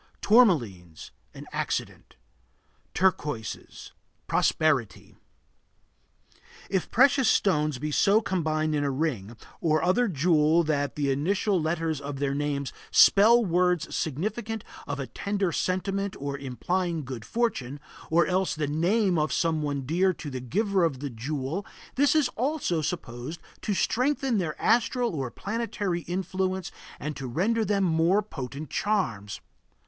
Tourmalines An accident. Turquoises Prosperity. If precious stones be so combined in a ring, or other jewel that the initial letters of their names spell words significant of a tender sentiment or implying good fortune, or else the name of someone dear to the giver of the jewel, this is also supposed to strengthen their astral or planetary influence and to render them more potent charms.